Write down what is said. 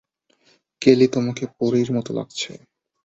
কেলি, তোমাকে পরীর মত লাগছে।